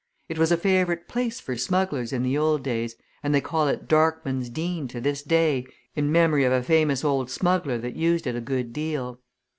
It was a favourite place for smugglers in the old days, and they call it Darkman's Dene to this day in memory of a famous old smuggler that used it a good deal.